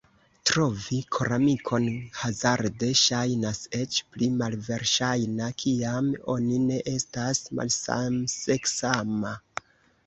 Trovi koramikon hazarde ŝajnas eĉ pli malverŝajna kiam oni ne estas malsamseksama.